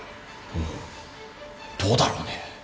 おおどうだろうね？